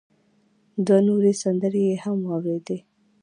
دوه نورې سندرې يې هم واورېدې.